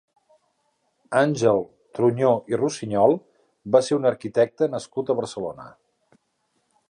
Àngel Truñó i Rusiñol va ser un arquitecte nascut a Barcelona.